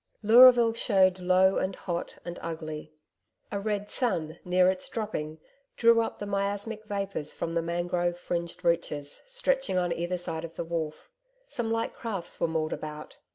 Leuraville showed low and hot and ugly. A red sun near its dropping, drew up the miasmic vapours from the mangrove fringed reaches stretching on either side of the wharf. Some light crafts were moored about.